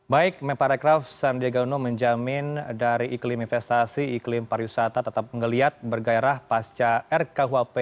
baik mp rekraf sandiaga uno menjamin dari iklim investasi iklim para wisata tetap mengeliat bergairah pasca rkhp